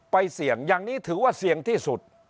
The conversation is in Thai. ไปเสี่ยงอย่างนี้ถือว่าเสี่ยงที่สุด